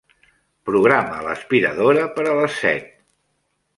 Programa l'aspiradora per a les set.